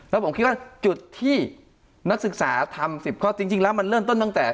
แล้วผมคิดว่าจุดที่นักศึกษาทำ๑๐ข้อจริงแล้วมันเริ่มต้นตั้งแต่